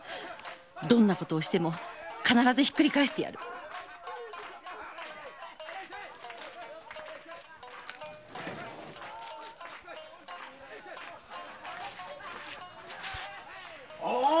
どんなことをしても必ずひっくり返してやるあ？